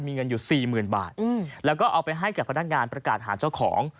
ก็จะเก็บอยู่๔๐๐๐๐บาทแล้วก็เอาไปให้กับพนักงานประกาศหาเจ้าของ